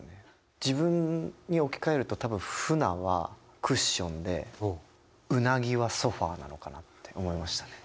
自分に置き換えると多分鮒はクッションでうなぎはソファーなのかなって思いましたね。